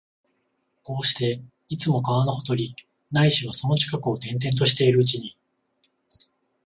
こうして、いつも川のほとり、ないしはその近くを転々としているうちに、